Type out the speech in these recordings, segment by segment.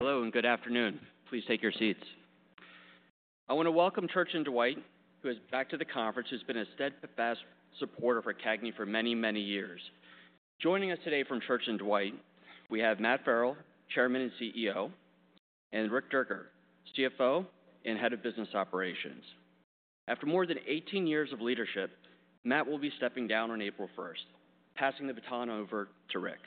Hello, and good afternoon. Please take your seats. I want to welcome Church & Dwight, who is back to the conference, who's been a steadfast supporter for CAGNY for many, many years. Joining us today from Church & Dwight, we have Matt Farrell, Chairman and CEO, and Rick Dierker, CFO and Head of Business Operations. After more than 18 years of leadership, Matt will be stepping down on April 1st, passing the baton over to Rick.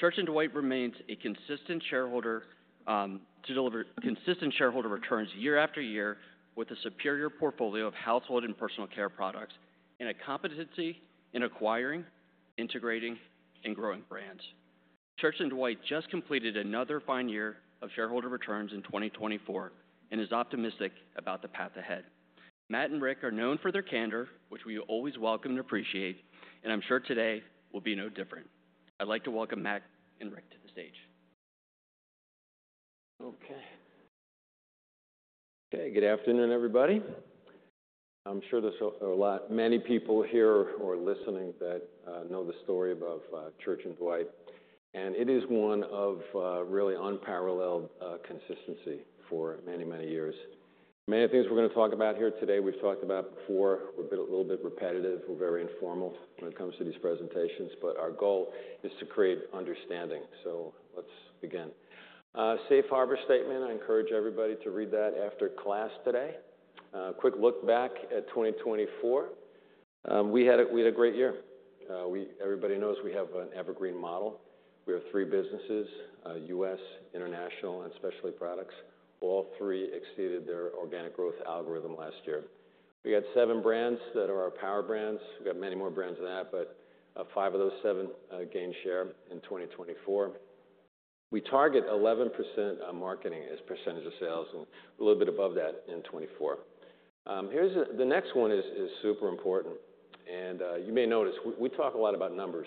Church & Dwight remains committed to delivering consistent shareholder returns year after year with a superior portfolio of household and personal care products and a competency in acquiring, integrating, and growing brands. Church & Dwight just completed another fine year of shareholder returns in 2024 and is optimistic about the path ahead. Matt and Rick are known for their candor, which we always welcome and appreciate, and I'm sure today will be no different. I'd like to welcome Matt and Rick to the stage. Okay. Okay, good afternoon, everybody. I'm sure there's a lot of many people here or listening that know the story of Church & Dwight, and it is one of really unparalleled consistency for many, many years. Many of the things we're going to talk about here today, we've talked about before, we're a little bit repetitive, we're very informal when it comes to these presentations, but our goal is to create understanding. So, let's begin. Safe Harbor statement, I encourage everybody to read that after class today. A quick look back at 2024, we had a great year. Everybody knows we have an Evergreen Model. We have three businesses: U.S., International, and Specialty Products. All three exceeded their organic growth algorithm last year. We had seven brands that are our Power Brands. We've got many more brands than that, but five of those seven gained share in 2024. We target 11% marketing as percentage of sales and a little bit above that in 2024. The next one is super important, and you may notice we talk a lot about numbers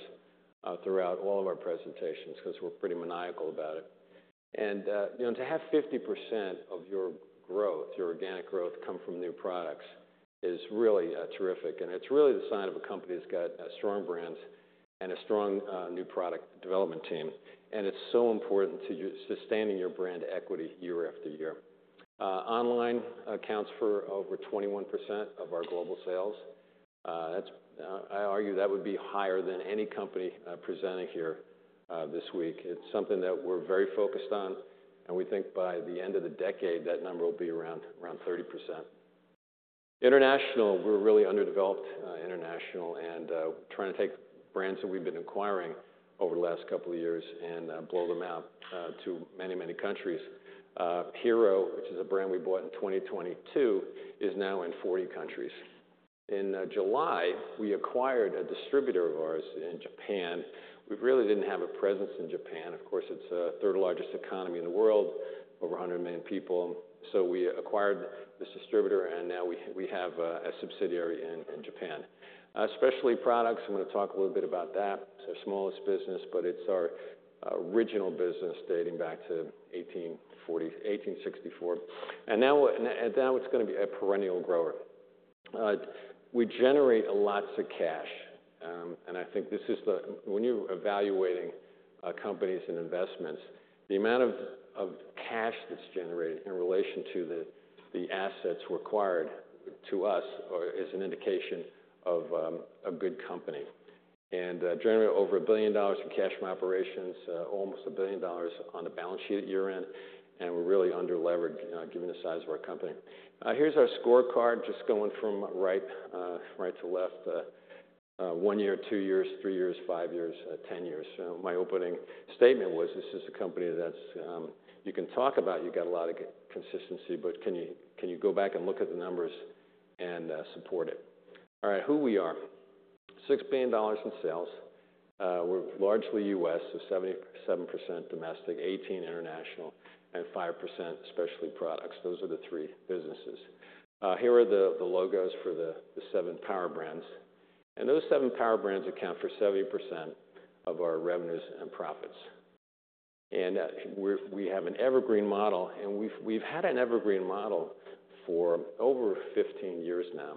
throughout all of our presentations because we're pretty maniacal about it. And to have 50% of your growth, your organic growth, come from new products is really terrific, and it's really the sign of a company that's got strong brands and a strong new product development team, and it's so important to sustaining your brand equity year after year. Online accounts for over 21% of our global sales. I argue that would be higher than any company presenting here this week. It's something that we're very focused on, and we think by the end of the decade that number will be around 30%. Internationally, we're really underdeveloped internationally and trying to take brands that we've been acquiring over the last couple of years and blow them out to many, many countries. Hero, which is a brand we bought in 2022, is now in 40 countries. In July, we acquired a distributor of ours in Japan. We really didn't have a presence in Japan. Of course, it's the third largest economy in the world, over 100 million people, so we acquired this distributor and now we have a subsidiary in Japan. Specialty Products, I'm going to talk a little bit about that. It's our smallest business, but it's our original business dating back to 1864, and now it's going to be a perennial grower. We generate lots of cash, and I think this is the, when you're evaluating companies and investments, the amount of cash that's generated in relation to the assets required to us is an indication of a good company. And generally over $1 billion in cash from operations, almost $1 billion on the balance sheet at year-end, and we're really under-leveraged given the size of our company. Here's our scorecard just going from right to left, one year, two years, three years, five years, 10 years. My opening statement was this is a company that you can talk about, you've got a lot of consistency, but can you go back and look at the numbers and support it? All right, who we are. $6 billion in sales. We're largely U.S., so 77% domestic, 18% International, and 5% Specialty Products. Those are the three businesses. Here are the logos for the seven power brands, and those seven power brands account for 70% of our revenues and profits, and we have an Evergreen model, and we've had an Evergreen model for over 15 years now,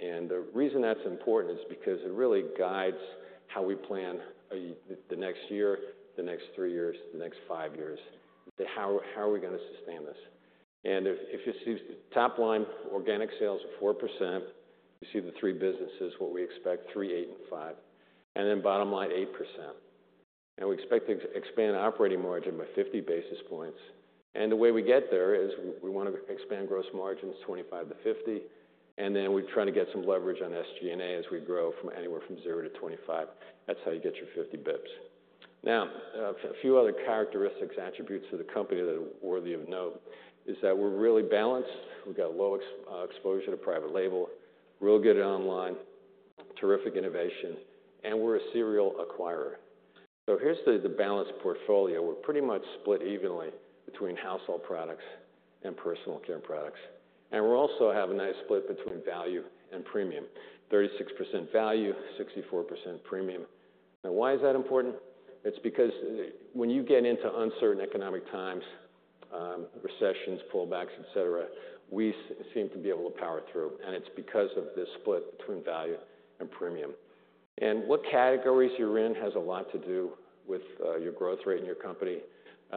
and the reason that's important is because it really guides how we plan the next year, the next three years, the next five years, how are we going to sustain this. And if you see the top line, organic sales of 4%, you see the three businesses, what we expect, three, eight, and five, and then bottom line, 8%. And we expect to expand operating margin by 50 basis points, and the way we get there is we want to expand gross margins 25-50, and then we try to get some leverage on SG&A as we grow from anywhere from 0-25. That's how you get your 50 bps. Now, a few other characteristics, attributes of the company that are worthy of note is that we're really balanced. We've got low exposure to private label, real good online, terrific innovation, and we're a serial acquirer. So, here's the balanced portfolio. We're pretty much split evenly between household products and personal care products, and we also have a nice split between value and premium, 36% value, 64% premium. Now, why is that important? It's because when you get into uncertain economic times, recessions, pullbacks, etc., we seem to be able to power through, and it's because of this split between value and premium. And what categories you're in has a lot to do with your growth rate in your company,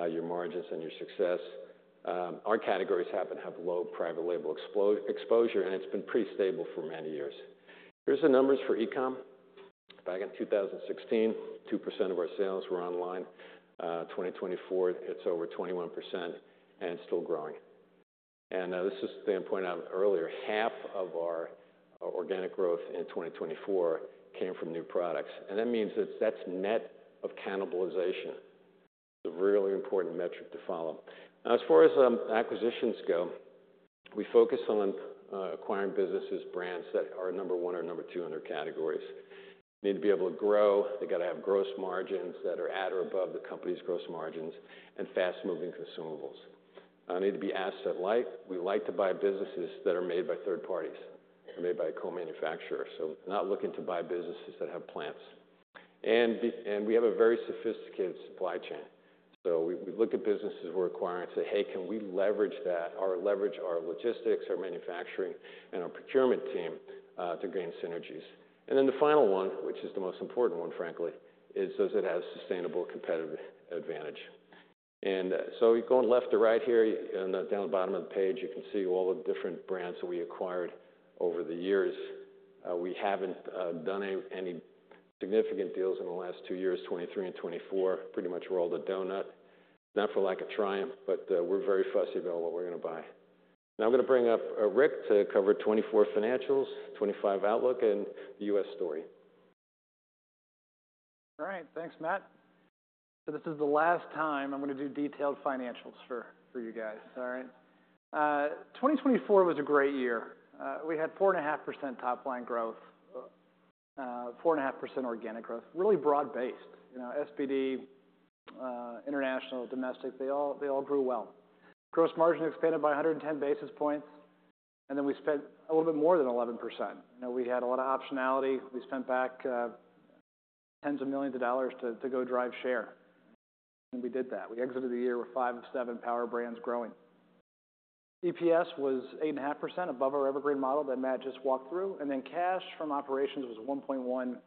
your margins, and your success. Our categories happen to have low private label exposure, and it's been pretty stable for many years. Here's the numbers for e-com. Back in 2016, 2% of our sales were online. 2024, it's over 21%, and it's still growing. And this is the point I've made earlier, half of our organic growth in 2024 came from new products, and that means that's net of cannibalization. It's a really important metric to follow. Now, as far as acquisitions go, we focus on acquiring businesses, brands that are number one or number two in their categories. Need to be able to grow, they've got to have gross margins that are at or above the company's gross margins and fast-moving consumables. Need to be asset-light. We like to buy businesses that are made by third parties, made by a co-manufacturer, so not looking to buy businesses that have plants. And we have a very sophisticated supply chain. So, we look at businesses we're acquiring and say, "Hey, can we leverage that or leverage our logistics, our manufacturing, and our procurement team to gain synergies?" And then the final one, which is the most important one, frankly, is does it have sustainable competitive advantage? And so you go left to right here, down the bottom of the page, you can see all the different brands that we acquired over the years. We haven't done any significant deals in the last two years, 2023 and 2024, pretty much rolled a donut, not for lack of trying, but we're very fussy about what we're going to buy. Now I'm going to bring up Rick to cover 2024 financials, 2025 outlook, and the U.S. story. All right, thanks, Matt. So, this is the last time I'm going to do detailed financials for you guys, all right? 2024 was a great year. We had 4.5% top line growth, 4.5% organic growth, really broad-based. SPD, International, domestic, they all grew well. Gross margin expanded by 110 basis points, and then we spent a little bit more than 11%. We had a lot of optionality. We spent back tens of millions of dollars to go drive share, and we did that. We exited the year with five of seven power brands growing. EPS was 8.5% above our evergreen model that Matt just walked through, and then cash from operations was $1.1 billion,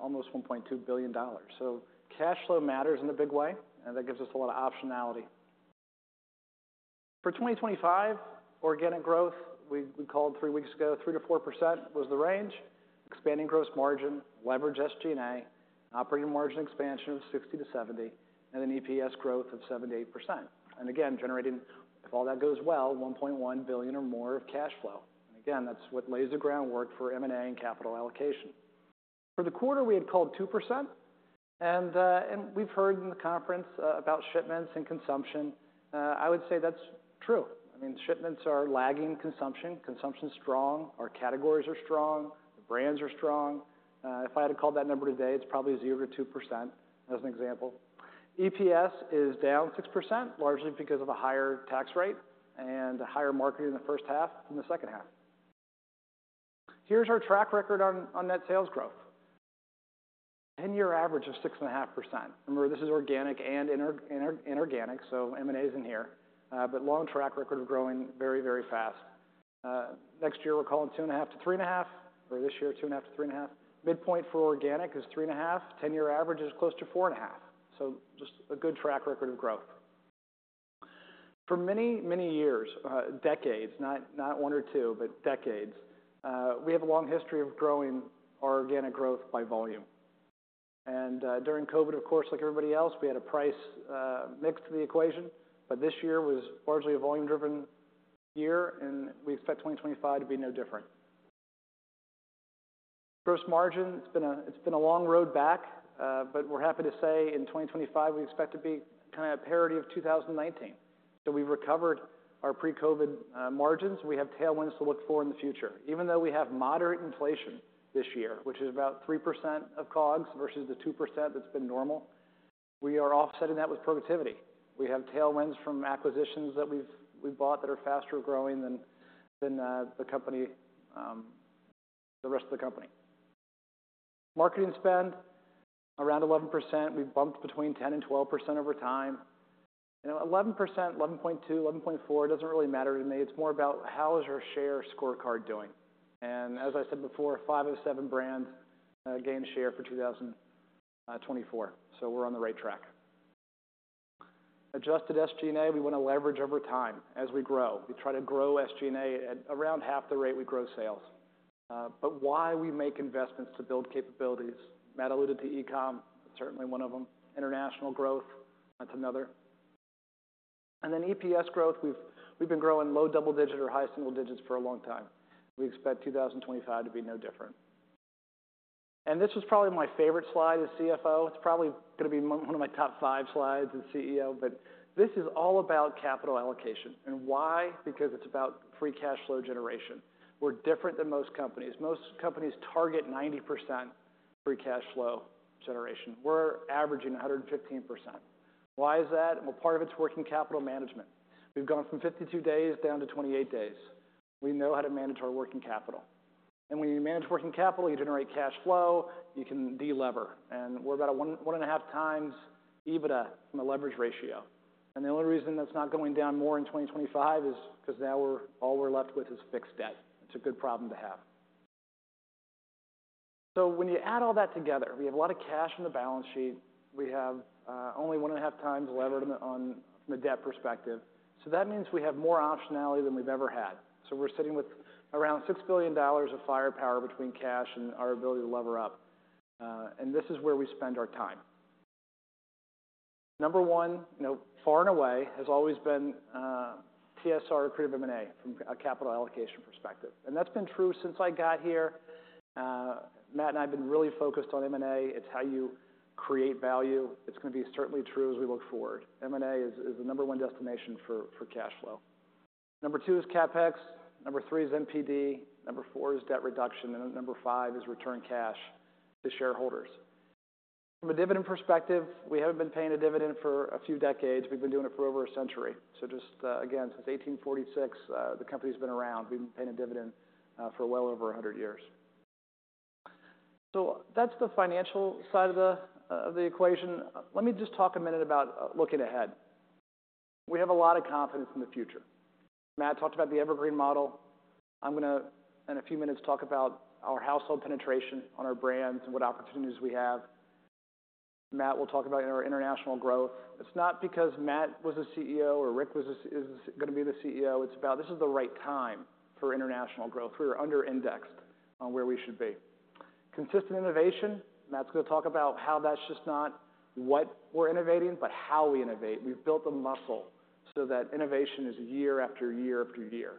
almost $1.2 billion. So, cash flow matters in a big way, and that gives us a lot of optionality. For 2025, organic growth, we called three weeks ago, 3%-4% was the range, expanding gross margin, leverage SG&A, operating margin expansion of 60 to 70, and then EPS growth of 7-8%. Generating, if all that goes well, $1.1 billion or more of cash flow lays the groundwork for M&A and capital allocation. For the quarter, we had called 2%, and we've heard in the conference about shipments and consumption. I would say that's true. I mean, shipments are lagging consumption, consumption's strong, our categories are strong, the brands are strong. If I had to call that number today, it's probably 0%-2% as an example. EPS is down 6%, largely because of a higher tax rate and a higher marketing in the first half than the second half. Here's our track record on net sales growth, 10-year average of 6.5%. Remember, this is organic and inorganic, so M&A is in here, but long track record of growing very, very fast. Next year, we're calling 2.5%-3.5%, or this year, 2.5%-3.5%. Midpoint for organic is 3.5%, 10-year average is close to 4.5%, so just a good track record of growth. For many, many years, decades, not one or two, but decades, we have a long history of growing our organic growth by volume. During COVID, of course, like everybody else, we had a price mix to the equation, but this year was largely a volume-driven year, and we expect 2025 to be no different. Gross margin, it's been a long road back. But we're happy to say in 2025, we expect to be kind of a parity of 2019. So, we've recovered our pre-COVID margins. We have tailwinds to look for in the future. Even though we have moderate inflation this year, which is about 3% of COGS versus the 2% that's been normal, we are offsetting that with productivity. We have tailwinds from acquisitions that we've bought that are faster growing than the rest of the company. Marketing spend, around 11%. We've bumped between 10 and 12% over time. 11%, 11.2%, 11.4%, it doesn't really matter to me. It's more about how is our share scorecard doing. And as I said before, five of seven brands gained share for 2024. So, we're on the right track. Adjusted SG&A, we want to leverage over time as we grow. We try to grow SG&A at around half the rate we grow sales. But why we make investments to build capabilities, Matt alluded to e-com, certainly one of them. International growth, that's another. EPS growth, we've been growing low double digit or high single digits for a long time. We expect 2025 to be no different. This was probably my favorite slide as CFO. It's probably going to be one of my top five slides as CEO, but this is all about capital allocation. Why? Because it's about free cash flow generation. We're different than most companies. Most companies target 90% free cash flow generation. We're averaging 115%. Why is that? Well, part of it's working capital management. We've gone from 52 days down to 28 days. We know how to manage our working capital. When you manage working capital, you generate cash flow, you can de-lever, and we're about 1.5 times EBITDA from a leverage ratio. The only reason that's not going down more in 2025 is because now all we're left with is fixed debt. It's a good problem to have. So, when you add all that together, we have a lot of cash on the balance sheet. We have only one and a half times levered from a debt perspective. So, that means we have more optionality than we've ever had. So we're sitting with around $6 billion of firepower between cash and our ability to lever up, and this is where we spend our time. Number one, far and away, has always been TSR, accretive M&A, from a capital allocation perspective. And that's been true since I got here. Matt and I have been really focused on M&A. It's how you create value. It's going to be certainly true as we look forward. M&A is the number one destination for cash flow. Number two is CapEx. Number three is NPD. Number four is debt reduction, and number five is return cash to shareholders. From a dividend perspective, we haven't been paying a dividend for a few decades. We've been doing it for over a century. So just, again, since 1846, the company's been around. We've been paying a dividend for well over 100 years. So, that's the financial side of the equation. Let me just talk a minute about looking ahead. We have a lot of confidence in the future. Matt talked about the Evergreen Model. I'm going to, in a few minutes, talk about our household penetration on our brands and what opportunities we have. Matt will talk about our international growth. It's not because Matt was the CEO or Rick is going to be the CEO. It's about this: this is the right time for international growth. We are under-indexed on where we should be. Consistent innovation. Matt's going to talk about how that's just not what we're innovating, but how we innovate. We've built a muscle so that innovation is year after year after year.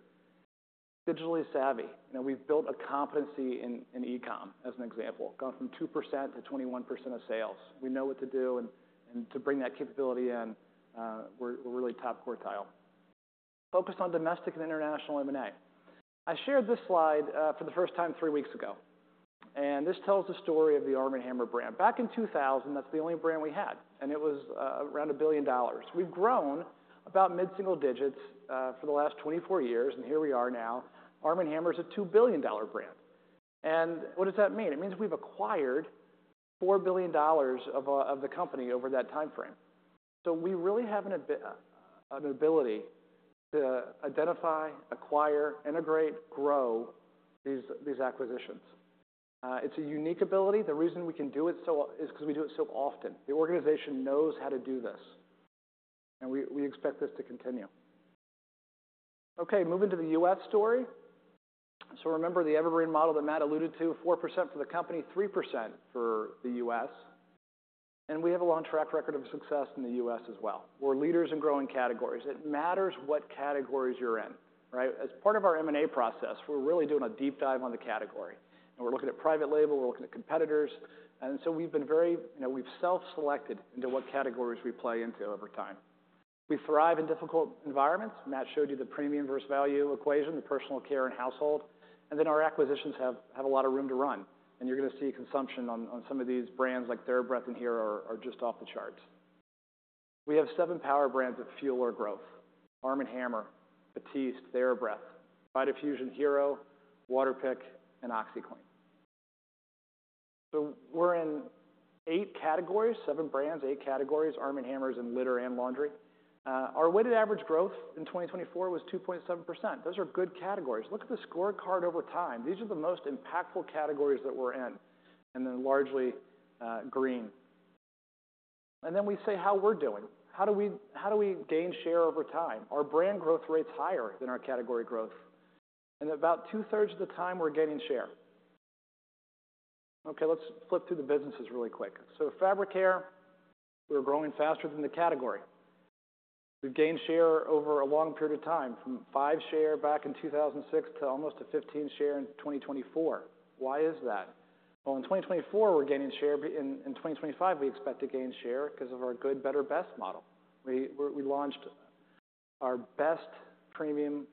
Digitally savvy. We've built a competency in e-com, as an example, gone from 2% to 21% of sales. We know what to do, and to bring that capability in, we're really top quartile. Focused on domestic and International M&A. I shared this slide for the first time three weeks ago, and this tells the story of the Arm & Hammer brand. Back in 2000, that's the only brand we had, and it was around $1 billion. We've grown about mid-single digits for the last 24 years, and here we are now. Arm & Hammer is a $2 billion brand, and what does that mean? It means we've acquired $4 billion of the company over that time frame. So, we really have an ability to identify, acquire, integrate, grow these acquisitions. It's a unique ability. The reason we can do it so is because we do it so often. The organization knows how to do this, and we expect this to continue. Okay, moving to the U.S. story. So, remember the Evergreen Model that Matt alluded to, 4% for the company, 3% for the U.S. And we have a long track record of success in the U.S. as well. We're leaders in growing categories. It matters what categories you're in, right? As part of our M&A process, we're really doing a deep dive on the category. And we're looking at private label, we're looking at competitors. And so, we've self-selected into what categories we play into over time. We thrive in difficult environments. Matt showed you the premium versus value equation, the personal care and household. And then our acquisitions have a lot of room to run. And you're going to see consumption on some of these brands like TheraBreath and Hero are just off the charts. We have seven power brands that fuel our growth: Arm & Hammer, Batiste, TheraBreath, Vitafusion, Hero, Waterpik, and OxiClean. So, we're in eight categories, seven brands, eight categories. Arm & Hammer is in litter and laundry. Our weighted average growth in 2024 was 2.7%. Those are good categories. Look at the scorecard over time. These are the most impactful categories that we're in, and then largely green. And then we say how we're doing. How do we gain share over time? Our brand growth rate's higher than our category growth, and about 2/3 of the time we're gaining share. Okay, let's flip through the businesses really quick. Fabric Care, we're growing faster than the category. We've gained share over a long period of time, from five share back in 2006 to almost a 15% share in 2024. Why is that? In 2024, we're gaining share. In 2025, we expect to gain share because of our good, better, best model. We launched our best premium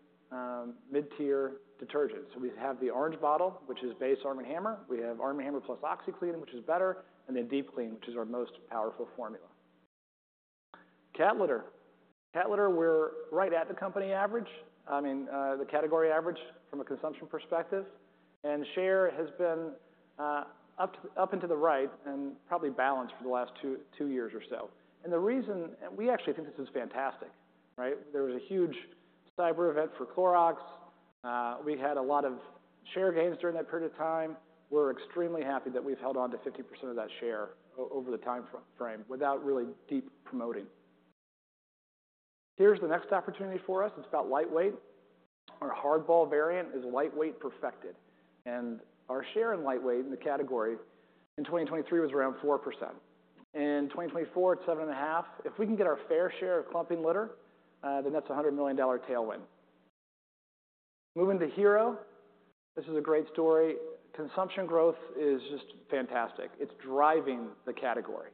mid-tier detergent. So, we have the Orange Bottle, which is based on Arm & Hammer. We have Arm & Hammer plus OxiClean, which is better, and then Deep Clean, which is our most powerful formula. Cat litter. Cat litter, we're right at the company average, I mean, the category average from a consumption perspective. And share has been up and to the right and probably balanced for the last two years or so. And the reason, and we actually think this is fantastic, right? There was a huge cyber event for Clorox. We had a lot of share gains during that period of time. We're extremely happy that we've held on to 50% of that share over the time frame without really deep promoting. Here's the next opportunity for us. It's about lightweight. Our HardBall variant is lightweight perfected, and our share in lightweight in the category in 2023 was around 4%. In 2024, it's 7.5%. If we can get our fair share of clumping litter, then that's a $100 million tailwind. Moving to Hero, this is a great story. Consumption growth is just fantastic. It's driving the category.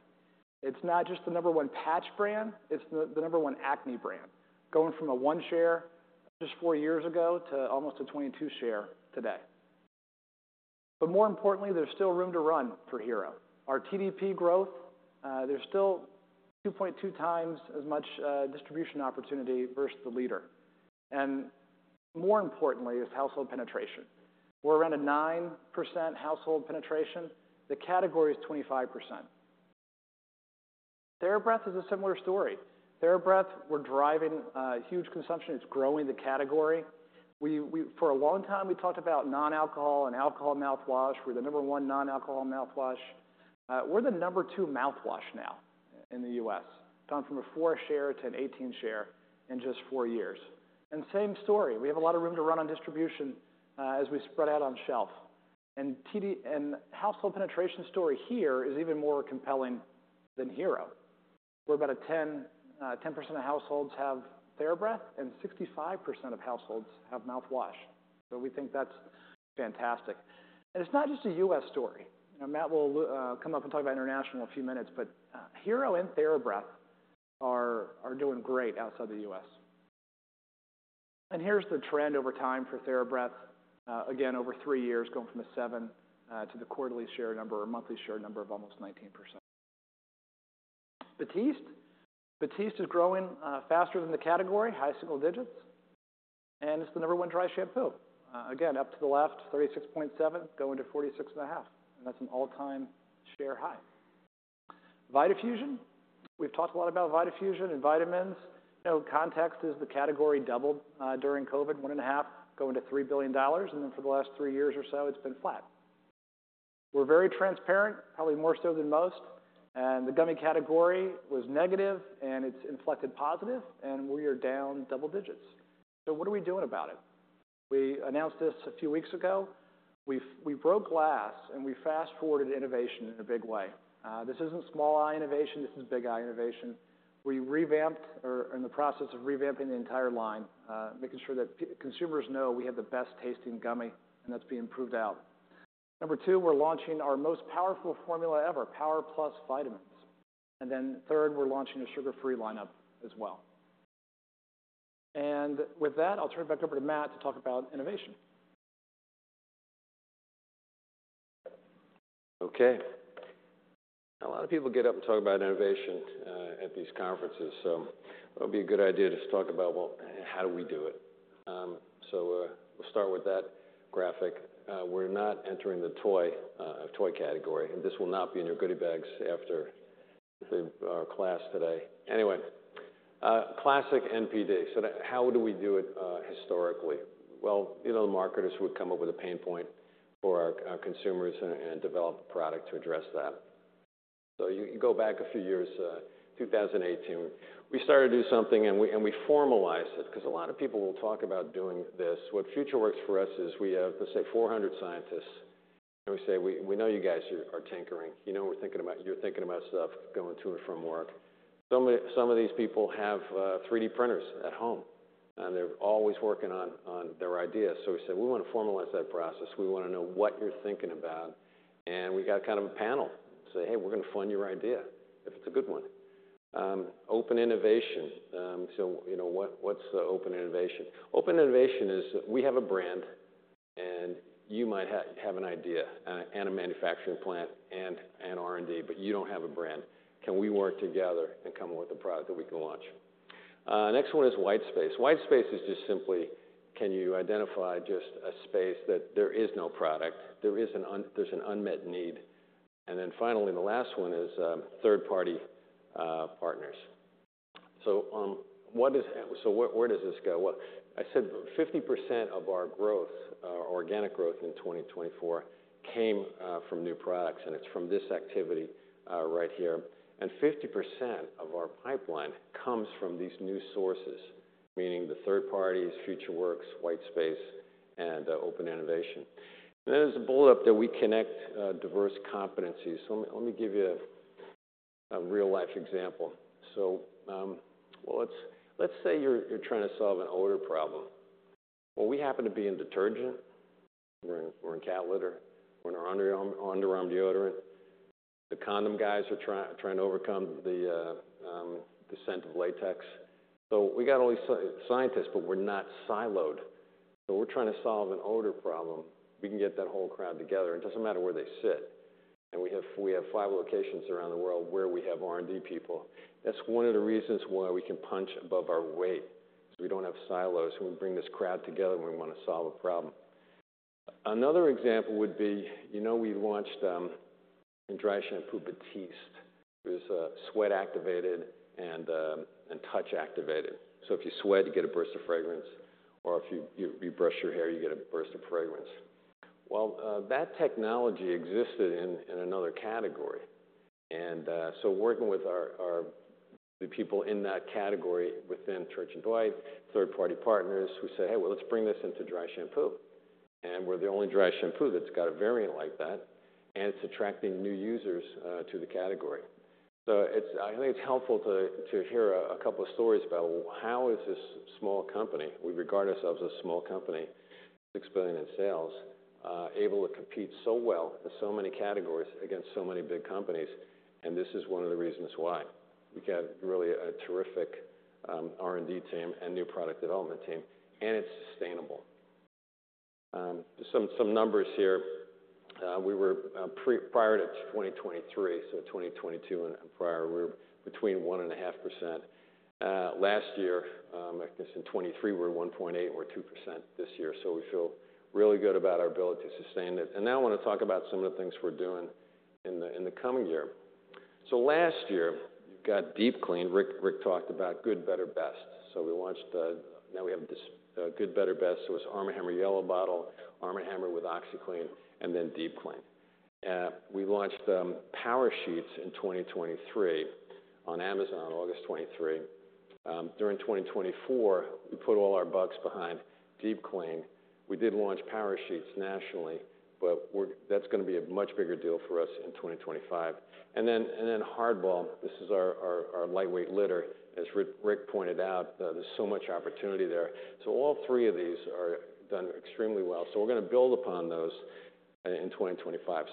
It's not just the number one patch brand. It's the number one acne brand, going from a 1% share just four years ago to almost a 22% share today, but more importantly, there's still room to run for Hero. Our TDP growth, there's still 2.2 times as much distribution opportunity versus the leader, and more importantly, it's household penetration. We're around a 9% household penetration. The category is 25%. TheraBreath is a similar story. TheraBreath, we're driving huge consumption. It's growing the category. For a long time, we talked about non-alcohol and alcohol mouthwash. We're the number one non-alcohol mouthwash. We're the number two mouthwash now in the U.S., down from a 4% share to an 18% share in just four years, and same story. We have a lot of room to run on distribution as we spread out on shelf, and household penetration story here is even more compelling than Hero. We're about 10% of households have TheraBreath, and 65% of households have mouthwash. So, we think that's fantastic, and it's not just a U.S. story. Matt will come up and talk about International in a few minutes, but Hero and TheraBreath are doing great outside the U.S. And here's the trend over time for TheraBreath, again, over three years, going from 7% to the quarterly share number or monthly share number of almost 19%. Batiste. Batiste is growing faster than the category, high single digits. And it's the number one dry shampoo. Again, up to the left, 36.7%, going to 46.5%. And that's an all-time share high. Vitafusion. We've talked a lot about Vitafusion and vitamins. Context is the category doubled during COVID, $1.5 billion, going to $3 billion. And then for the last three years or so, it's been flat. We're very transparent, probably more so than most. And the gummy category was negative, and it's inflected positive, and we are down double digits. So, what are we doing about it? We announced this a few weeks ago. We broke glass, and we fast-forwarded innovation in a big way. This isn't small-I innovation. This is big-I innovation. We revamped or are in the process of revamping the entire line, making sure that consumers know we have the best tasting gummy, and that's being proved out. Number two, we're launching our most powerful formula ever, Power Plus Vitamins. And then third, we're launching a sugar-free lineup as well. And with that, I'll turn it back over to Matt to talk about innovation. Okay. A lot of people get up and talk about innovation at these conferences, so, it'll be a good idea to talk about how do we do it. So, we'll start with that graphic. We're not entering the toy category, and this will not be in your goody bags after our class today. Anyway, classic NPD. So, how do we do it historically? Well, you know the marketers would come up with a pain point for our consumers and develop a product to address that. So, you go back a few years, 2018. We started to do something, and we formalized it because a lot of people will talk about doing this. What Future Works for us is we have, let's say, 400 scientists, and we say, "We know you guys are tinkering". You know we're thinking about, you're thinking about stuff going to and from work. Some of these people have 3D printers at home, and they're always working on their ideas. So, we said, "We want to formalize that process. We want to know what you're thinking about." And we got kind of a panel to say, "Hey, we're going to fund your idea if it's a good one." Open Innovation. So, what's the Open Innovation? Open innovation is we have a brand, and you might have an idea and a manufacturing plant and R&D, but you don't have a brand. Can we work together and come up with a product that we can launch? Next one is White Space. White Space is just simply, can you identify just a space that there is no product, there's an unmet need? And then finally, the last one is third-party partners. So, where does this go? I said 50% of our growth, our organic growth in 2024, came from new products, and it's from this activity right here, and 50% of our pipeline comes from these new sources, meaning the third parties, Future Works, White Space, and Open Innovation. And then there's a bullet up that we connect diverse competencies. So, let me give you a real-life example. So, let's say you're trying to solve an odor problem, well, we happen to be in detergent, we're in cat litter, we're in our underarm deodorant. The condom guys are trying to overcome the scent of latex. So, we got all these scientists, but we're not siloed. So, we're trying to solve an odor problem, we can get that whole crowd together. It doesn't matter where they sit. And we have five locations around the world where we have R&D people. That's one of the reasons why we can punch above our weight, is we don't have silos. We bring this crowd together when we want to solve a problem. Another example would be, you know we launched in dry shampoo Batiste. It was sweat-activated and touch-activated. So, if you sweat, you get a burst of fragrance. Or if you brush your hair, you get a burst of fragrance. Well, that technology existed in another category. And so working with the people in that category within Church & Dwight, third-party partners, we said, "Hey, well, let's bring this into dry shampoo." And we're the only dry shampoo that's got a variant like that, and it's attracting new users to the category. So, I think it's helpful to hear a couple of stories about how is this small company? We regard ourselves as a small company, $6 billion in sales, able to compete so well in so many categories against so many big companies, and this is one of the reasons why. We got really a terrific R&D team and new product development team, and it's sustainable. Some numbers here. Prior to 2023, so 2022 and prior, we were between 1.5%. Last year, I guess in 2023, we were 1.8% or 2% this year. So, we feel really good about our ability to sustain it. And now I want to talk about some of the things we're doing in the coming year. So, last year, you've got Deep Clean. Rick talked about good, better, best. So, we launched, now we have good, better, best. So, it's Arm & Hammer Yellow Bottle, Arm & Hammer with OxiClean, and then Deep Clean. We launched Power Sheets in 2023 on Amazon, August 2023. During 2024, we put all our bucks behind Deep Clean. We did launch Power Sheets nationally, but that's going to be a much bigger deal for us in 2025, and then HardBall, this is our lightweight litter. As Rick pointed out, there's so much opportunity there, so all three of these are done extremely well. So, we're going to build upon those in 2025.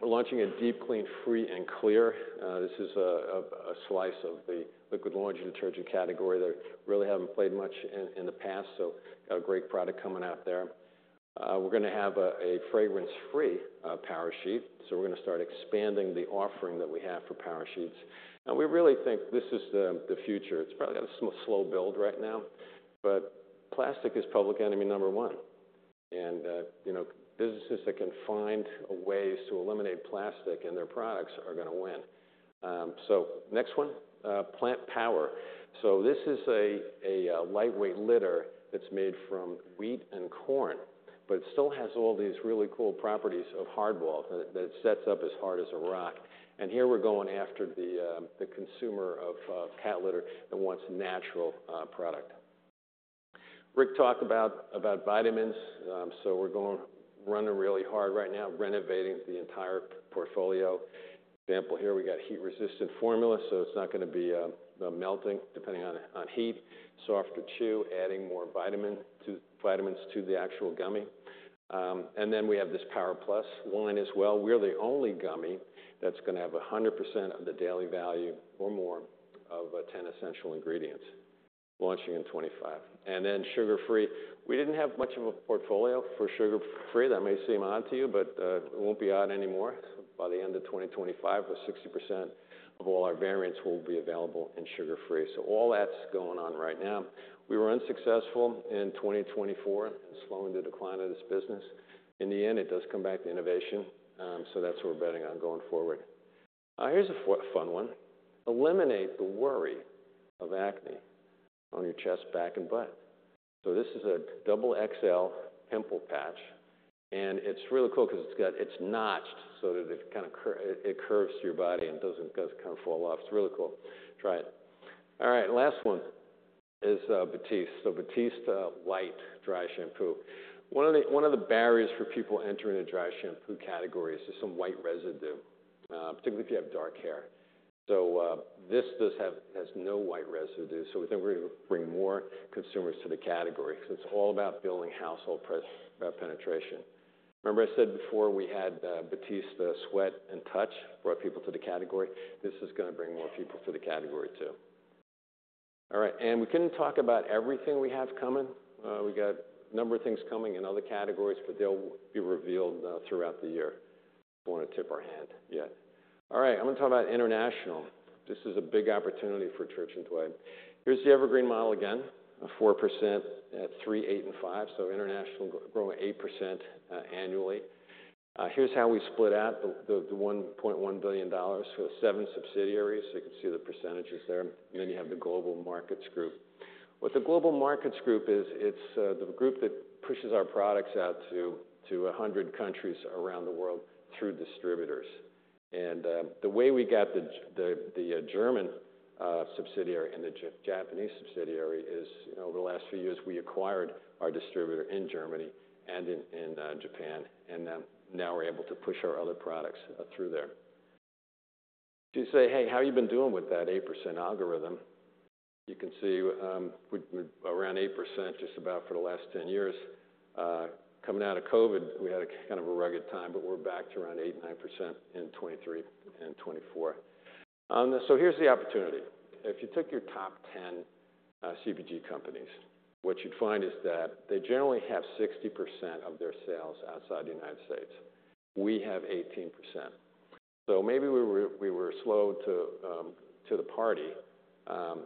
So, we're launching a Deep Clean Free and Clear. This is a slice of the liquid laundry detergent category that really hasn't played much in the past. So, got a great product coming out there. We're going to have a fragrance-free Power Sheet. So, we're going to start expanding the offering that we have for Power Sheets, and we really think this is the future. It's probably got a slow build right now, but plastic is public enemy number one. And businesses that can find ways to eliminate plastic in their products are going to win. So next one, Plant Power. So, this is a lightweight litter that's made from wheat and corn, but it still has all these really cool properties of HardBall that it sets up as hard as a rock. And here we're going after the consumer of cat litter that wants natural product. Rick talked about vitamins. So, we're going running really hard right now, renovating the entire portfolio. Example here, we got heat-resistant formula. So, it's not going to be melting depending on heat. Softer chew, adding more vitamins to the actual gummy. And then we have this Power Plus line as well. We're the only gummy that's going to have 100% of the daily value or more of 10 essential ingredients, launching in 2025, and then sugar-free. We didn't have much of a portfolio for sugar-free. That may seem odd to you, but it won't be odd anymore. By the end of 2025, 60% of all our variants will be available in sugar-free. So, all that's going on right now. We were unsuccessful in 2024 in slowing the decline of this business. In the end, it does come back to innovation. That's what we're betting on going forward. Here's a fun one. Eliminate the worry of acne on your chest, back, and butt. This is a double XL pimple patch. It's really cool because it's notched so that it kind of curves to your body and doesn't kind of fall off. It's really cool. Try it. All right, last one is Batiste. So, Batiste White Dry Shampoo. One of the barriers for people entering the dry shampoo category is just some white residue, particularly if you have dark hair. So, this has no white residue. So, we think we're going to bring more consumers to the category because it's all about building household penetration. Remember I said before we had Batiste Sweat and Touch brought people to the category. This is going to bring more people to the category too. All right, and we couldn't talk about everything we have coming. We got a number of things coming in other categories, but they'll be revealed throughout the year. Don't want to tip our hand yet. All right, I'm going to talk about International. This is a big opportunity for Church & Dwight. Here's the evergreen model again, 4% at 3%, 8%, and 5%. So, International growing 8% annually. Here's how we split out the $1.1 billion for the seven subsidiaries. So, you can see the percentages there. And then you have the Global Markets Group. What the Global Markets Group is, it's the group that pushes our products out to 100 countries around the world through distributors. And the way we got the German subsidiary and the Japanese subsidiary is over the last few years, we acquired our distributor in Germany and in Japan. And now we're able to push our other products through there. You say, "Hey, how have you been doing with that 8% algorithm?" You can see around 8% just about for the last 10 years. Coming out of COVID, we had kind of a rugged time, but we're back to around 8%, 9% in 2023 and 2024. So, here's the opportunity. If you took your top 10 CPG companies, what you'd find is that they generally have 60% of their sales outside the United States. We have 18%. So, maybe we were slow to the party. And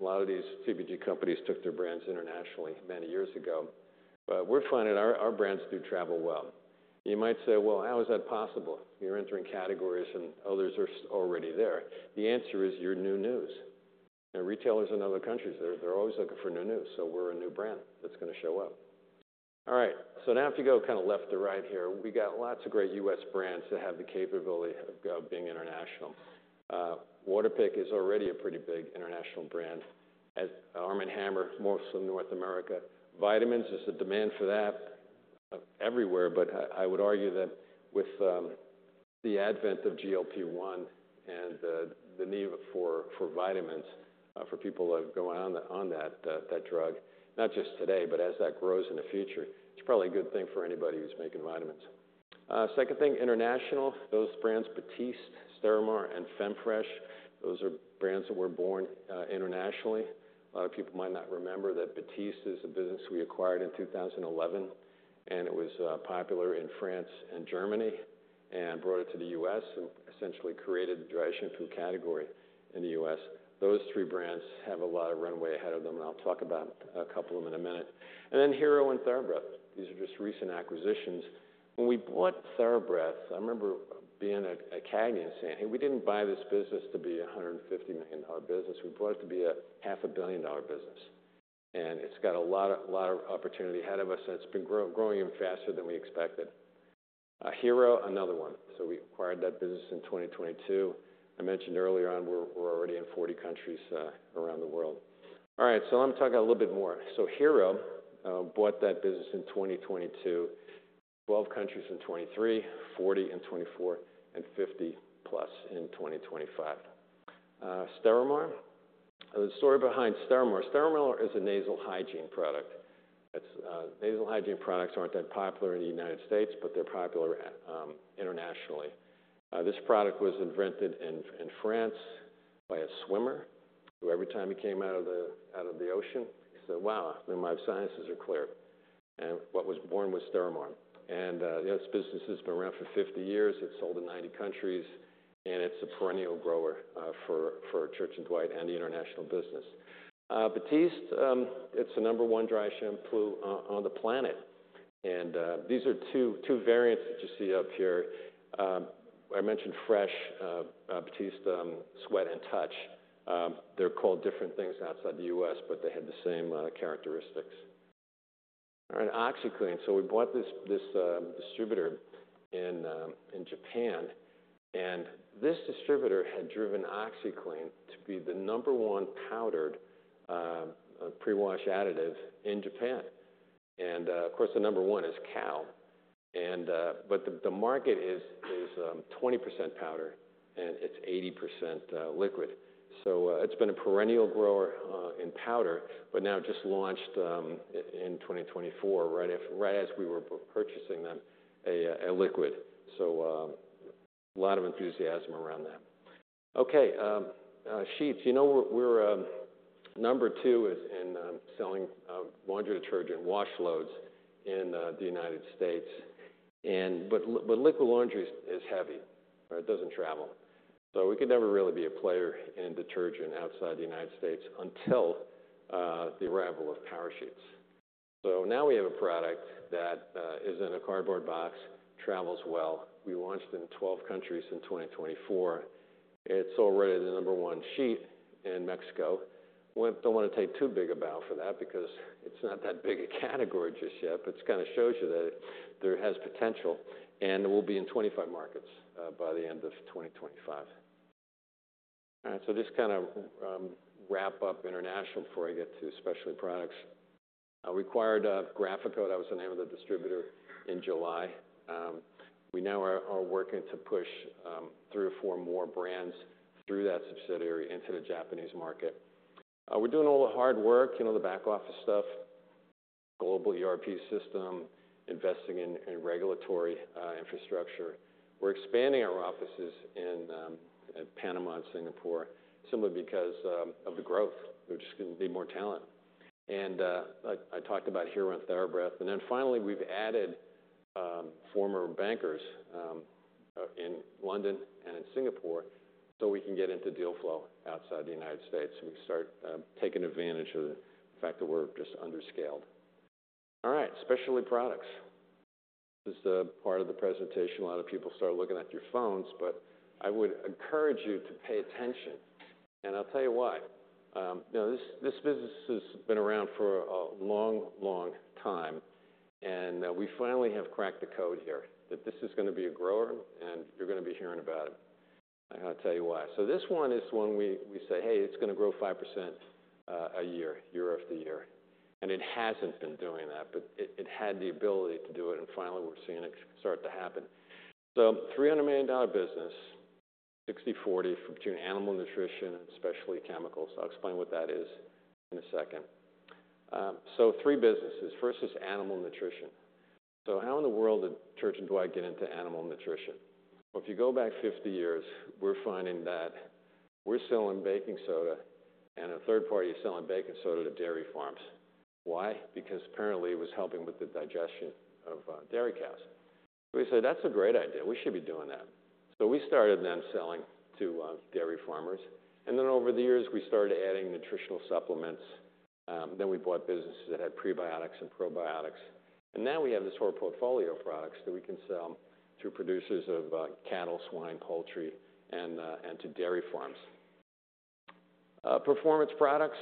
a lot of these CPG companies took their brands internationally many years ago. But we're finding our brands do travel well. You might say, "Well, how is that possible? You're entering categories and others are already there." The answer is you're new news. And retailers in other countries, they're always looking for new news. So, we're a new brand that's going to show up. All right, so now if you go kind of left to right here, we got lots of great U.S. brands that have the capability of being International. Waterpik is already a pretty big International brand. Arm & Hammer, mostly North America. Vitamins is the demand for that everywhere, but I would argue that with the advent of GLP-1 and the need for vitamins for people that are going on that drug. Not just today, but as that grows in the future, it's probably a good thing for anybody who's making vitamins. Second thing, International, those brands Batiste, Stérimar, and Femfresh, those are brands that were born internationally. A lot of people might not remember that Batiste is a business we acquired in 2011, and it was popular in France and Germany and brought it to the U.S. and essentially created the dry shampoo category in the U.S. Those three brands have a lot of runway ahead of them, and I'll talk about a couple of them in a minute, and then Hero and TheraBreath. These are just recent acquisitions. When we bought TheraBreath, I remember being at CAGNY and saying, "Hey, we didn't buy this business to be a $150 million business. We bought it to be a $500 million business." And it's got a lot of opportunity ahead of us, and it's been growing even faster than we expected. Hero, another one. So, we acquired that business in 2022. I mentioned earlier on, we're already in 40 countries around the world. All right, so let me talk a little bit more. So, Hero bought that business in 2022. 12 countries in 2023, 40 in 2024, and 50 plus in 2025. Stérimar, the story behind Stérimar. Stérimar is a nasal hygiene product. Nasal hygiene products aren't that popular in the United States, but they're popular internationally. This product was invented in France by a swimmer who every time he came out of the ocean, he said, "Wow, my sinuses are cleared." And what was born was Stérimar. And this business has been around for 50 years. It's sold in 90 countries, and it's a perennial grower for Church & Dwight and the International business. Batiste, it's the number one dry shampoo on the planet. And these are two variants that you see up here. I mentioned fresh Batiste Sweat and Touch. They're called different things outside the U.S., but they have the same characteristics. All right, OxiClean. So, we bought this distributor in Japan, and this distributor had driven OxiClean to be the number one powdered pre-wash additive in Japan. And of course, the number one is Kao. But the market is 20% powder, and it's 80% liquid. It's been a perennial grower in powder, but now just launched in 2024, right as we were purchasing them, a liquid. So, a lot of enthusiasm around that. Okay, sheets. You know we're number two in selling laundry detergent wash loads in the United States. But liquid laundry is heavy, right? It doesn't travel. So, we could never really be a player in detergent outside the United States until the arrival of Power Sheets. So, now we have a product that is in a cardboard box, travels well. We launched in 12 countries in 2024. It's already the number one sheet in Mexico. Don't want to take too big a bow for that because it's not that big a category just yet, but it kind of shows you that there has potential. We'll be in 25 markets by the end of 2025. All right, so just kind of wrap up International before I get to Specialty products. We acquired Graphico. That was the name of the distributor in July. We now are working to push three or four more brands through that subsidiary into the Japanese market. We're doing all the hard work, you know, the back-office stuff, global ERP system, investing in regulatory infrastructure. We're expanding our offices in Panama and Singapore, simply because of the growth. There's going to be more talent. And I talked about Hero and TheraBreath. And then finally, we've added former bankers in London and in Singapore so we can get into deal flow outside the United States. We start taking advantage of the fact that we're just underscaled. All right, Specialty Products. This is part of the presentation. A lot of people start looking at your phones, but I would encourage you to pay attention, and I'll tell you why. This business has been around for a long, long time, and we finally have cracked the code here that this is going to be a grower, and you're going to be hearing about it. I'll tell you why. So, this one is when we say, "Hey, it's going to grow 5% a year, year after year," and it hasn't been doing that, but it had the ability to do it, and finally, we're seeing it start to happen. So, $300 million business, 60/40 between animal nutrition and specialty chemicals. I'll explain what that is in a second. So, three businesses. First is animal nutrition. So, how in the world did Church & Dwight get into animal nutrition? If you go back 50 years, we're finding that we're selling baking soda, and a third party is selling baking soda to dairy farms. Why? Because apparently it was helping with the digestion of dairy cows. We said, "That's a great idea. We should be doing that." We started them selling to dairy farmers, and then over the years, we started adding nutritional supplements, then we bought businesses that had prebiotics and probiotics, and now we have this whole portfolio of products that we can sell to producers of cattle, swine, poultry, and to dairy farms. Performance products.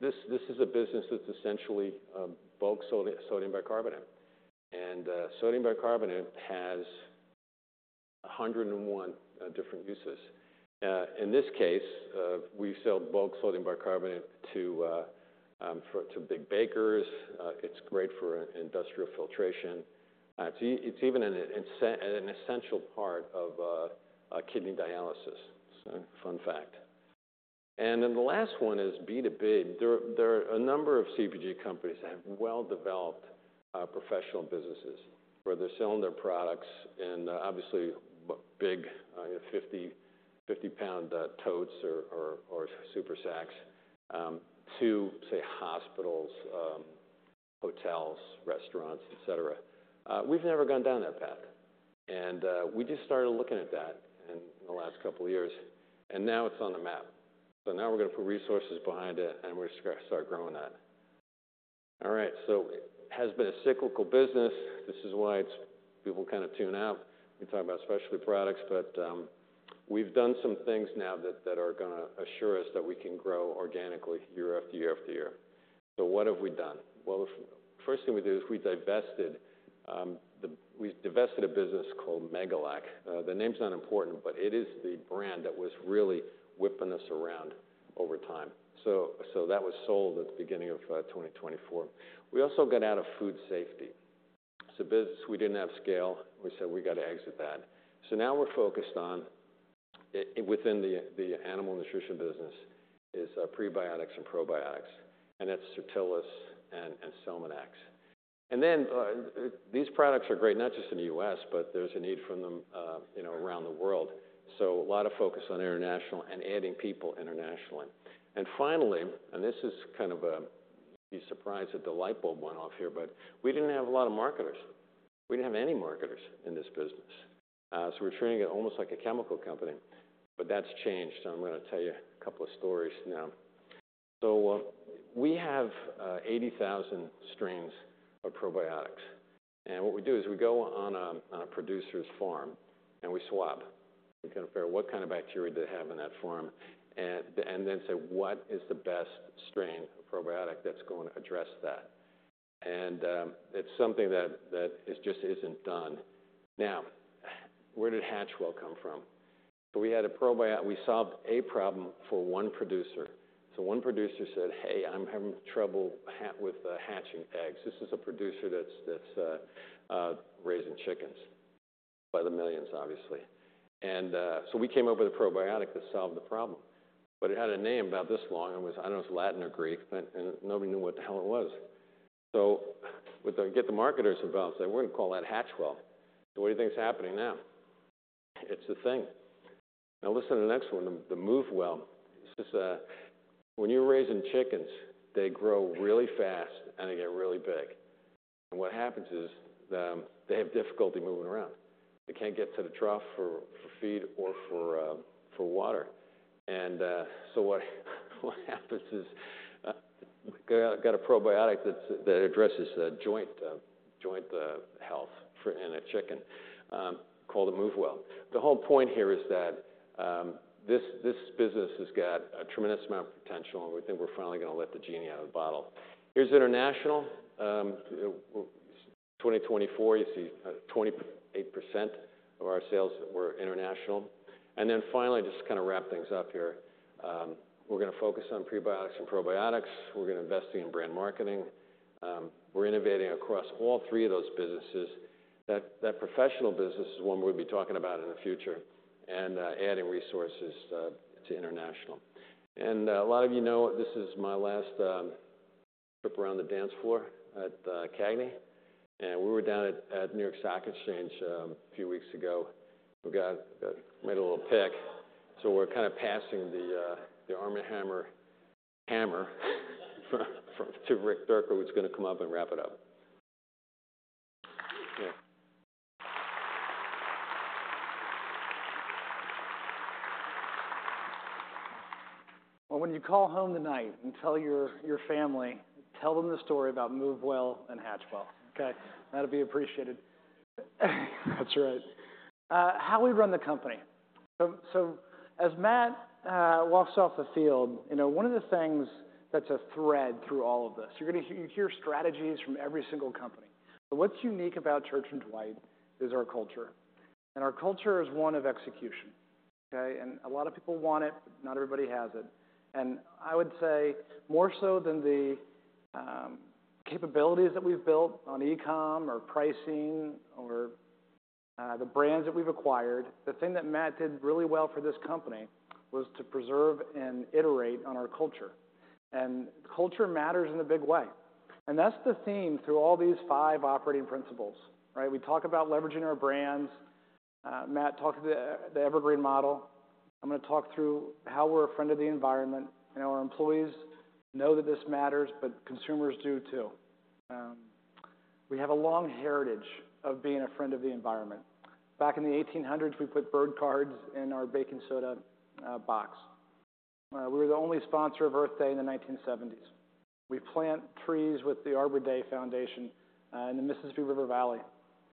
This is a business that's essentially bulk sodium bicarbonate. Sodium bicarbonate has 101 different uses. In this case, we sell bulk sodium bicarbonate to big bakers. It's great for industrial filtration. It's even an essential part of kidney dialysis. Fun fact, and then the last one is B2B. There are a number of CPG companies that have well-developed professional businesses where they're selling their products in obviously big 50-pound totes or super sacks to, say, hospitals, hotels, restaurants, etc. We've never gone down that path. And we just started looking at that in the last couple of years. And now it's on the map. So, now we're going to put resources behind it, and we're going to start growing that. All right, so it has been a cyclical business. This is why people kind of tune out. We talk about Specialty Products, but we've done some things now that are going to assure us that we can grow organically year after year after year. So, what have we done? Well, the first thing we did is we divested a business called MEGALAC. The name's not important, but it is the brand that was really whipping us around over time. So, that was sold at the beginning of 2024. We also got out of food safety. So, business we didn't have scale. We said we got to exit that. So, now we're focused on within the animal nutrition business is prebiotics and probiotics, and that's Certillus and Celmanax. And then these products are great, not just in the U.S., but there's a need for them around the world. So, a lot of focus on International and adding people internationally. And finally, and this is kind of a surprise that the light bulb went off here, but we didn't have a lot of marketers. We didn't have any marketers in this business. So, we're treating it almost like a chemical company. But that's changed. I'm going to tell you a couple of stories now. We have 80,000 strains of probiotics. What we do is we go on a producer's farm and we swab. We kind of figure out what kind of bacteria they have in that farm and then say, "What is the best strain of probiotic that's going to address that?" It's something that just isn't done. Now, where did HatchWell come from? We had a probiotic we solved a problem for one producer. One producer said, "Hey, I'm having trouble with hatching eggs." This is a producer that's raising chickens by the millions, obviously. We came up with a probiotic that solved the problem. It had a name about this long. I don't know if it was Latin or Greek, but nobody knew what the hell it was. So, we had to get the marketers involved and say, "We're going to call that HatchWell." So, what do you think's happening now? It's a thing. Now, listen to the next one, the MoveWell. When you're raising chickens, they grow really fast and they get really big. And what happens is they have difficulty moving around. They can't get to the trough for feed or for water. And so what happens is we got a probiotic that addresses joint health in a chicken called the MoveWell. The whole point here is that this business has got a tremendous amount of potential, and we think we're finally going to let the genie out of the bottle. Here's International. 2024, you see 28% of our sales were International. And then finally, just to kind of wrap things up here, we're going to focus on prebiotics and probiotics. We're going to invest in brand marketing. We're innovating across all three of those businesses. That professional business is one we'll be talking about in the future and adding resources to International. And a lot of you know this is my last trip around the dance floor at CAGNY. And we were down at New York Stock Exchange a few weeks ago. We made a little pick. So, we're kind of passing the Arm & Hammer hammer to Rick Dierker, who's going to come up and wrap it up. Well, when you call home tonight and tell your family, tell them the story about MoveWell and HatchWell. Okay? That'll be appreciated. That's right. How we run the company. So, as Matt walks off the field, one of the things that's a thread through all of this, you hear strategies from every single company. What's unique about Church & Dwight is our culture. Our culture is one of execution. Okay? A lot of people want it, but not everybody has it. I would say more so than the capabilities that we've built on e-comm or pricing or the brands that we've acquired, the thing that Matt did really well for this company was to preserve and iterate on our culture. Culture matters in a big way. That's the theme through all these five operating principles. Right? We talk about leveraging our brands. Matt talked about the Evergreen Model. I'm going to talk through how we're a friend of the environment. Our employees know that this matters, but consumers do too. We have a long heritage of being a friend of the environment. Back in the 1800s, we put bird cards in our baking soda box. We were the only sponsor of Earth Day in the 1970s. We plant trees with the Arbor Day Foundation in the Mississippi River Valley,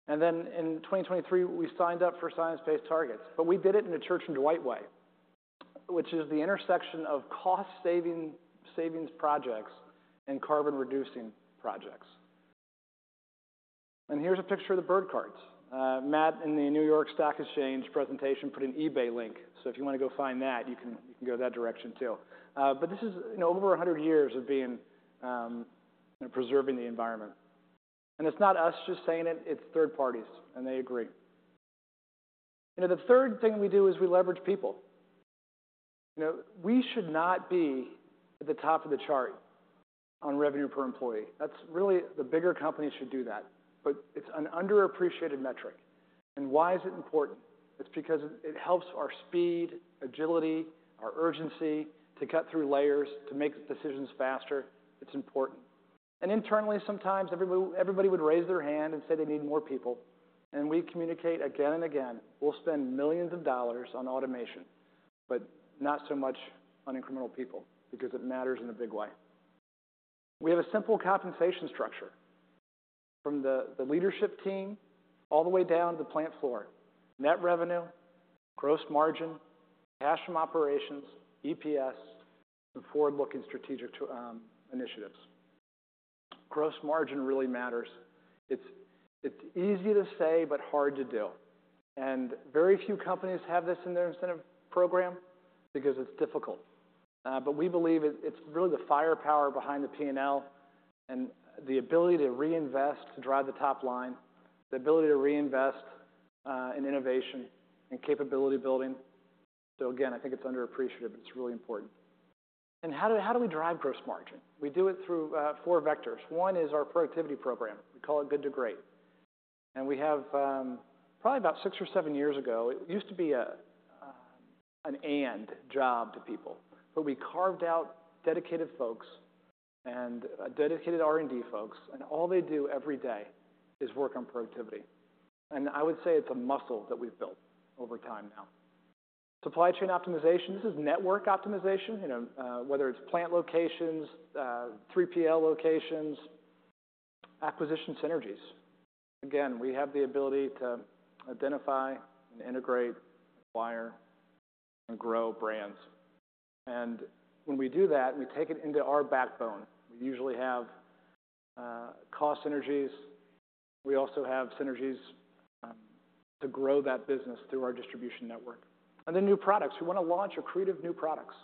and then in 2023. We signed up for Science Based Targets, but we did it in a Church & Dwight way, which is the intersection of cost-savings projects and carbon-reducing projects, and here's a picture of the bird cards. Matt, in the New York Stock Exchange presentation, put an eBay link, so if you want to go find that, you can go that direction too. But this is over 100 years of preserving the environment, and it's not us just saying it. It's third parties, and they agree. The third thing we do is we leverage people. We should not be at the top of the chart on revenue per employee. That's really the bigger companies should do that, but it's an underappreciated metric. Why is it important? It's because it helps our speed, agility, our urgency to cut through layers, to make decisions faster. It's important. Internally, sometimes everybody would raise their hand and say they need more people. We communicate again and again, "We'll spend millions of dollars on automation, but not so much on incremental people because it matters in a big way." We have a simple compensation structure from the leadership team all the way down to the plant floor. Net revenue, gross margin, cash from operations, EPS, and forward-looking strategic initiatives. Gross margin really matters. It's easy to say, but hard to do. Very few companies have this in their incentive program because it's difficult. We believe it's really the firepower behind the P&L and the ability to reinvest to drive the top line, the ability to reinvest in innovation and capability building. So again, I think it's underappreciated, but it's really important. And how do we drive gross margin? We do it through four vectors. One is our productivity program. We call it Good to Great. And we have probably about six or seven years ago, it used to be an end job to people. But we carved out dedicated folks and dedicated R&D folks. And all they do every day is work on productivity. And I would say it's a muscle that we've built over time now. Supply chain optimization. This is network optimization, whether it's plant locations, 3PL locations, acquisition synergies. Again, we have the ability to identify and integrate, acquire, and grow brands. And when we do that, we take it into our backbone. We usually have cost synergies. We also have synergies to grow that business through our distribution network. And then new products. We want to launch creative new products.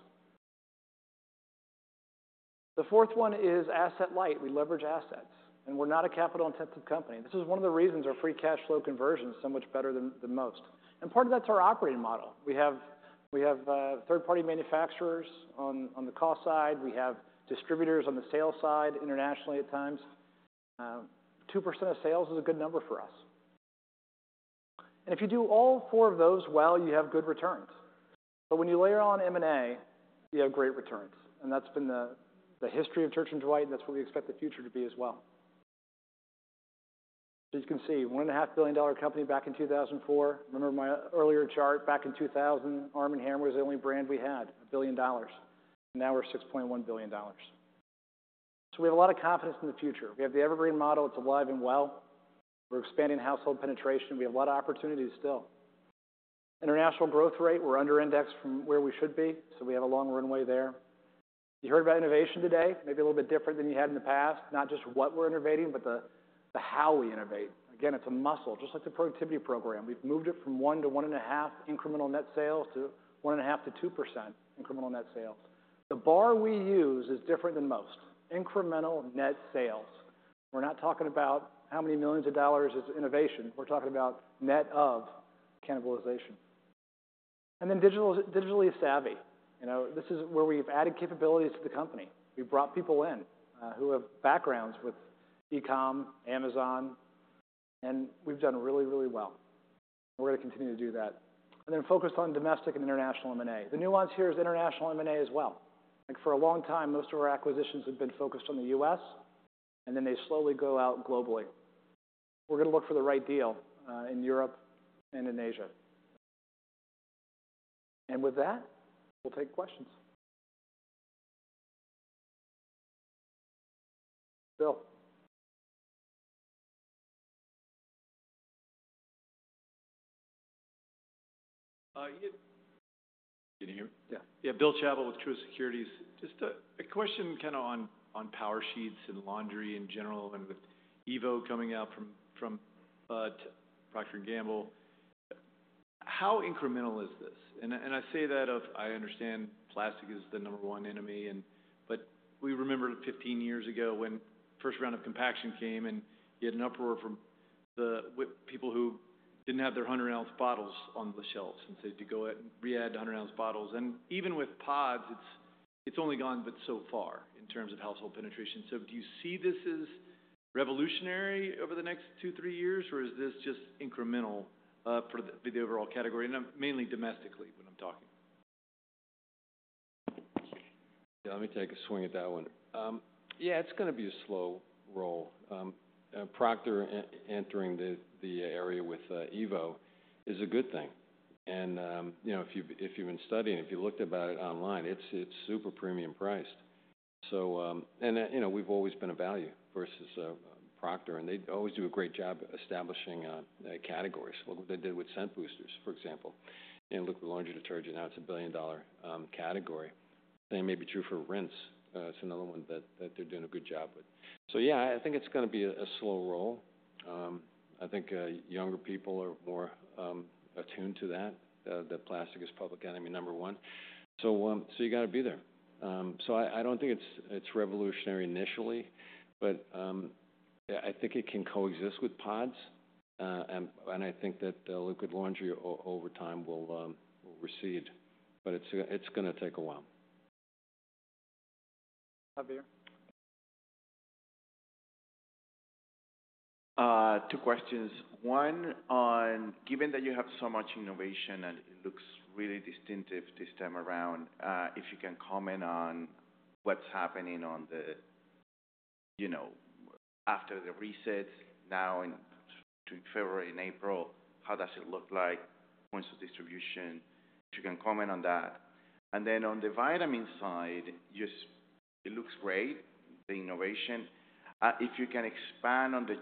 The fourth one is asset-light. We leverage assets. And we're not a capital-intensive company. This is one of the reasons our free cash flow conversion is so much better than most. And part of that's our operating model. We have third-party manufacturers on the cost side. We have distributors on the sales side internationally at times. 2% of sales is a good number for us. And if you do all four of those well, you have good returns. But when you layer on M&A, you have great returns. And that's been the history of Church & Dwight. And that's what we expect the future to be as well. So, you can see a $1.5 billion company back in 2004. Remember my earlier chart back in 2000? Arm & Hammer was the only brand we had, $1 billion. Now we're $6.1 billion. So, we have a lot of confidence in the future. We have the Evergreen Model. It's alive and well. We're expanding household penetration. We have a lot of opportunities still. International growth rate, we're under-indexed from where we should be. So, we have a long runway there. You heard about innovation today, maybe a little bit different than you had in the past. Not just what we're innovating, but the how we innovate. Again, it's a muscle, just like the productivity program. We've moved it from 1 to 1.5 incremental net sales to 1.5 to 2% incremental net sales. The bar we use is different than most. Incremental net sales. We're not talking about how many millions of dollars is innovation. We're talking about net of cannibalization. And then digitally savvy. This is where we've added capabilities to the company. We brought people in who have backgrounds with e-comm, Amazon. And we've done really, really well. We're going to continue to do that. And then focus on domestic and International M&A. The nuance here is International M&A as well. For a long time, most of our acquisitions have been focused on the U.S., and then they slowly go out globally. We're going to look for the right deal in Europe and in Asia. And with that, we'll take questions. Bill. Yeah. Yeah. Bill Chappell with Truist Securities. Just a question kind of on Power Sheets and laundry in general and with Evo coming out from Procter & Gamble. How incremental is this? And I say that of, "I understand plastic is the number one enemy." But we remember 15 years ago when the first round of compaction came and you had an uproar from the people who didn't have their 100-ounce bottles on the shelves and said, "Do you go ahead and re-add 100-ounce bottles?" And even with pods, it's only gone but so far in terms of household penetration. So, do you see this as revolutionary over the next two, three years, or is this just incremental for the overall category? And mainly domestically when I'm talking. Yeah. Let me take a swing at that one. Yeah. It's going to be a slow roll. Procter entering the area with Evo is a good thing. And if you've been studying, if you looked about it online, it's super premium priced. And we've always been a value versus Procter. They always do a great job establishing categories. Look what they did with scent boosters, for example. Look at laundry detergent. Now it's a billion-dollar category. Same may be true for rinse. It's another one that they're doing a good job with. Yeah, I think it's going to be a slow roll. I think younger people are more attuned to that. The plastic is public enemy number one. You got to be there. I don't think it's revolutionary initially, but I think it can coexist with pods. I think that liquid laundry over time will recede. It's going to take a while. Javier. Two questions. One, given that you have so much innovation and it looks really distinctive this time around, if you can comment on what's happening after the resets now in February and April, how does it look like, points of distribution, if you can comment on that. And then on the vitamin side, it looks great, the innovation. If you can expand on the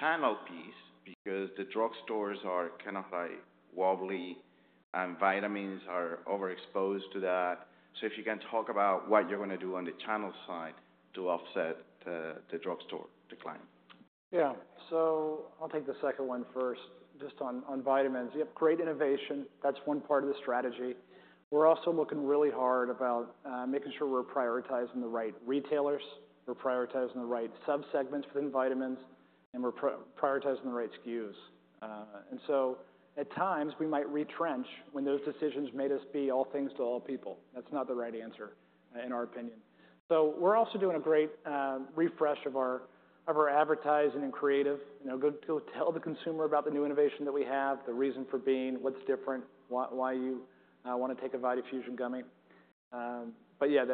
channel piece because the drugstores are kind of wobbly and vitamins are overexposed to that. So, if you can talk about what you're going to do on the channel side to offset the drugstore decline. Yeah. So, I'll take the second one first. Just on vitamins, you have great innovation. That's one part of the strategy. We're also looking really hard about making sure we're prioritizing the right retailers. We're prioritizing the right subsegments within vitamins, and we're prioritizing the right SKUs. And so, at times, we might retrench when those decisions made us be all things to all people. That's not the right answer, in our opinion. So, we're also doing a great refresh of our advertising and creative. Go tell the consumer about the new innovation that we have, the reason for being, what's different, why you want to take a Vitafusion gummy. But yeah,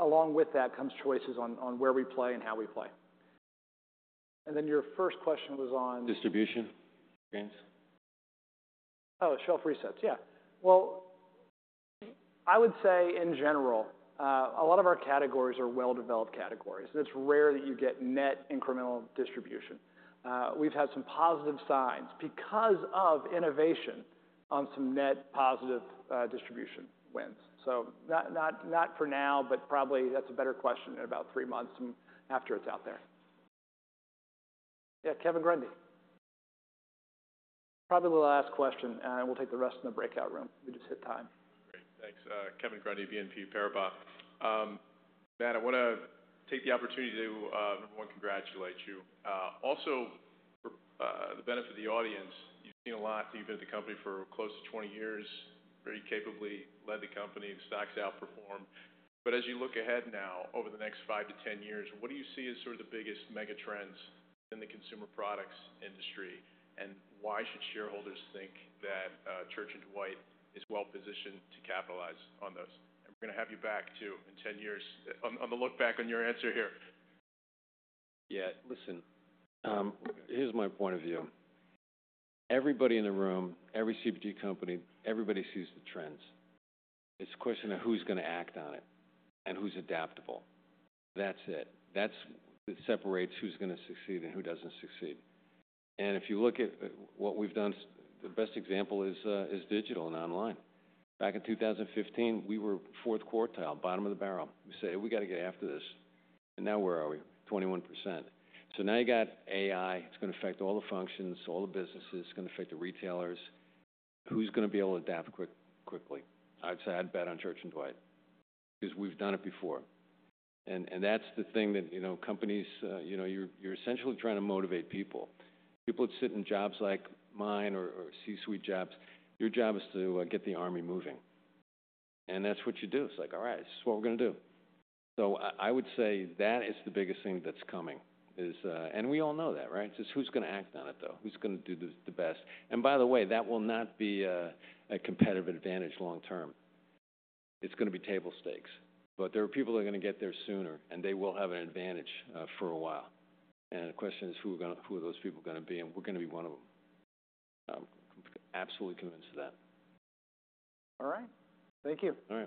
along with that comes choices on where we play and how we play. And then your first question was on..? Distribution? Oh, shelf resets. Yeah. Well, I would say in general, a lot of our categories are well-developed categories. And it's rare that you get net incremental distribution. We've had some positive signs because of innovation on some net positive distribution wins. So, not for now, but probably that's a better question in about three months after it's out there. Yeah. Kevin Grundy. Probably the last question, and we'll take the rest in the breakout room. We just hit time. Great. Thanks. Kevin Grundy, BNP Paribas. Matt, I want to take the opportunity to, number one, congratulate you. Also, for the benefit of the audience, you've seen a lot. You've been at the company for close to 20 years, very capably led the company. The stock's outperformed. But as you look ahead now over the next 5-10 years, what do you see as sort of the biggest mega trends in the consumer products industry? And why should shareholders think that Church & Dwight is well-positioned to capitalize on those? And we're going to have you back too, in 10 years on the look back on your answer here. Yeah. Listen, here's my point of view. Everybody in the room, every CPG company, everybody sees the trends. It's a question of who's going to act on it and who's adaptable. That's it. That separates who's going to succeed and who doesn't succeed. And if you look at what we've done, the best example is digital and online. Back in 2015, we were fourth quartile, bottom of the barrel. We said, "We got to get after this." And now where are we? 21%. So, now you got AI. It's going to affect all the functions, all the businesses. It's going to affect the retailers. Who's going to be able to adapt quickly? I'd say I'd bet on Church & Dwight because we've done it before. And that's the thing that companies, you're essentially trying to motivate people. People that sit in jobs like mine or C-suite jobs, your job is to get the army moving. And that's what you do. It's like, "All right. This is what we're going to do." So, I would say that is the biggest thing that's coming. And we all know that, right? It's just who's going to act on it, though? Who's going to do the best? And by the way, that will not be a competitive advantage long term. It's going to be table stakes. But there are people that are going to get there sooner, and they will have an advantage for a while. And the question is, who are those people going to be? And we're going to be one of them. Absolutely convinced of that. All right. Thank you.